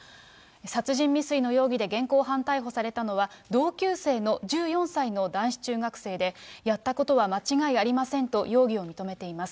殺人未遂の容疑で現行犯逮捕されたのは、同級生の１４歳の男子中学生で、やったことは間違いありませんと容疑を認めています。